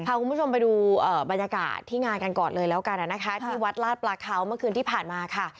พาคุณผู้ชมไปดูบรรยากาศที่งานกันก่อนเลยแล้วกันนะคะที่วัดลาดปลาเขาเมื่อคืนที่ผ่านมาค่ะ